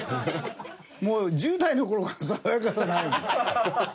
もう１０代の頃から爽やかさないもん。